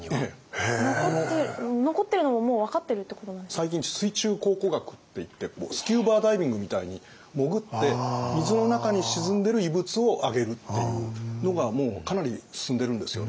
最近水中考古学っていってスキューバダイビングみたいに潜って水の中に沈んでる遺物を揚げるっていうのがもうかなり進んでるんですよね。